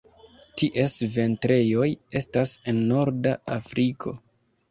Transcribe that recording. Ties vintrejoj estas en norda Afriko.